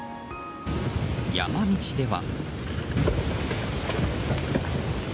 山道では。